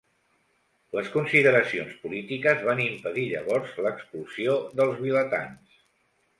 Les consideracions polítiques van impedir llavors l'expulsió dels vilatans.